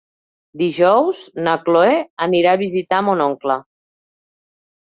Dijous na Cloè anirà a visitar mon oncle.